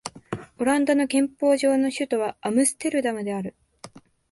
オランダの憲法上の首都はアムステルダムである